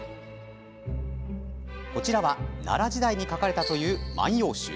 こちらは、奈良時代に書かれたという「万葉集」。